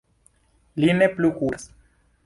Li ne plu kuras.